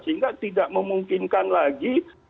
sehingga tidak memungkinkan lagi